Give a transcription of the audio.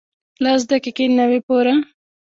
لس دقیقې نه وې پوره.